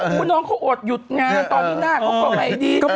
บอกโอ้น้องเขาโอดหยุดงานตอนนี้หน้า